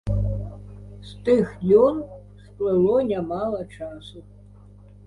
З тых дзён сплыло нямала часу.